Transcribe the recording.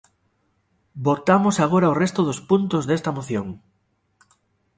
Votamos agora o resto dos puntos desta moción.